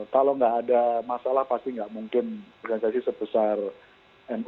kalau nggak ada masalah pasti nggak mungkin organisasi sebesar nkri